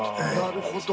なるほど。